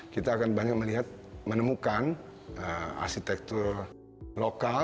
kita akan banyak melihat menemukan arsitektur lokal